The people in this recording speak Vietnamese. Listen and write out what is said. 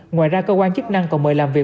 ngoài ra cơ quan chức năng còn mời làm việc